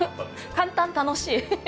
簡単楽しい。